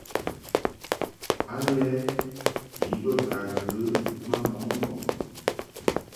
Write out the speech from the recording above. Alɛ i be ka ghə ma mɔʼ ŋgɔŋ.